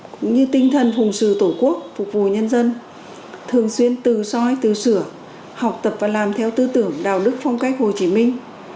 cũng như tinh thần phùng sự tổ quốc phục vụ nhân dân thường xuyên từ soi tự sửa học tập và làm theo tư tưởng đạo đức phong cách hồ chí minh